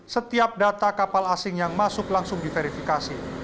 setiap data kapal asing yang masuk langsung diverifikasi